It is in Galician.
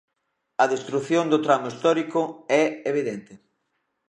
A destrución do tramo histórico é evidente.